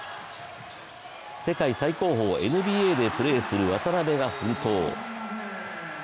世界最高峰ＮＢＡでプレーする渡邊が奮闘。